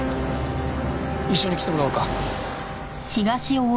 一緒に来てもらおうか。